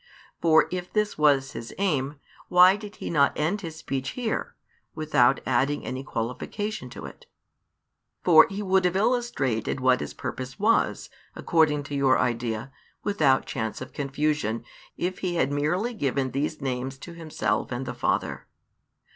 For if this was His aim, why did He not end His speech here, without adding any qualification to it? For He would have illustrated what His purpose was, according to your idea, without chance of confusion, if He had merely given these names to Himself and the Father.